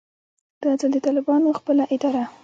دا ځل د طالبانو خپله اداره